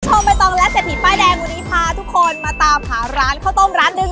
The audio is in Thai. ใบตองและเศรษฐีป้ายแดงวันนี้พาทุกคนมาตามหาร้านข้าวต้มร้านหนึ่ง